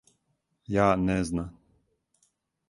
Ја не зна.